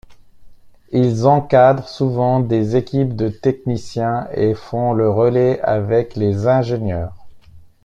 Ils encadrent souvent des équipes de techniciens et font le relais avec les ingénieurs.